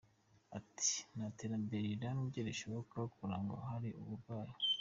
Ati:"Nta terambere rirambye rishobora kurangwa ahari uburwayi.